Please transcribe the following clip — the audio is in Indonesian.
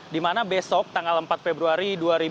dimana besok tanggal empat februari